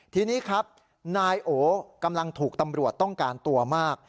ทีนี้ครับนายโอกำลังถูกตำรวจต้องการตัวมาก